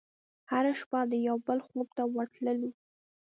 هره شپه د یوه بل خوب ته ورتللو